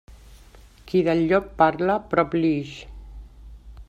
Qui del llop parla, prop li ix.